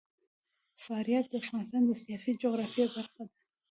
فاریاب د افغانستان د سیاسي جغرافیه برخه ده.